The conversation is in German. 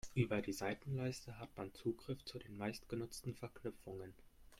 Über die Seitenleiste hat man Zugriff zu den meistgenutzten Verknüpfungen.